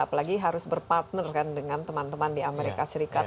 apalagi harus berpartner kan dengan teman teman di amerika serikat